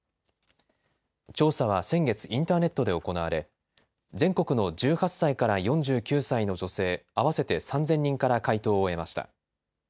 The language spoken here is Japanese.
調査は先月、インターネットで行われ全国の１８歳から４９歳の女性、合わせて３０００人から回答を得ました。